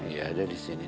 ya ada di sini